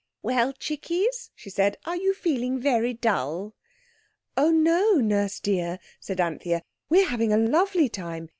"Well, chickies," she said, "are you feeling very dull?" "Oh, no, Nurse dear," said Anthea; "we're having a lovely time.